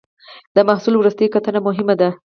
د محصول وروستۍ کتنه مهمه ده.